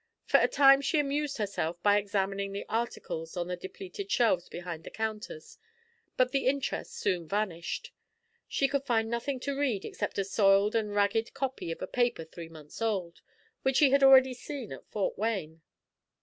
For a time she amused herself by examining the articles on the depleted shelves behind the counters, but the interest soon vanished. She could find nothing to read except a soiled and ragged copy of a paper three months old, which she had already seen at Fort Wayne.